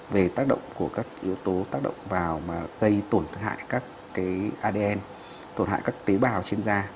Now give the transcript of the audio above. về tác động của các yếu tố tác động vào mà gây tổn hại các cái adn tổn hại các tế bào trên da